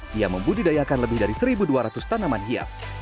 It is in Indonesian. dia membudidayakan lebih dari satu dua ratus tanaman hias